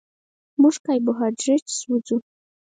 موږ کاربوهایډریټ سوځوو